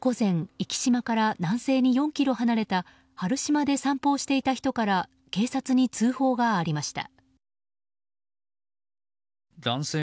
壱岐島から南西に４ｋｍ離れた原島で散歩をしていた人から警察に通報がありました。